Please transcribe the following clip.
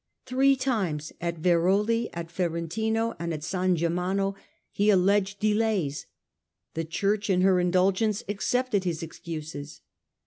Three times, at Veroli, at Ferentino, and at San Germano, he alleged delays ; the Church in her indulgence accepted his excuses.